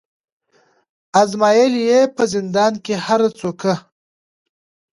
آزمېیل یې په زندان کي هره څوکه